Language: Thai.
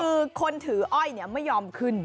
คือคนถืออ้อยไม่ยอมขึ้น